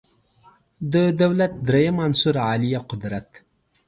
د دولت دریم عنصر عالیه قدرت